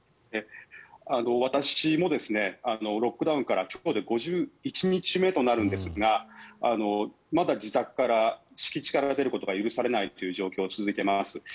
私もロックダウンから今日で５１日目となるんですがまだ自宅から敷地から出ることが許されない状況が続いています。